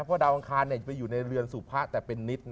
เพราะดาวอังคารจะไปอยู่ในเรือนสุพะแต่เป็นนิด